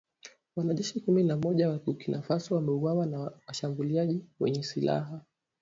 Wanajeshi kumi na mmoja wa Burkina Faso wameuawa na washambuliaji wenye silaha